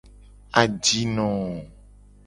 Ajino.